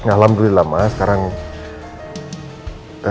alhamdulillah ma sekarang